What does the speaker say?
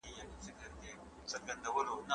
نن د هوا رنګ لږ بدل ښکاري.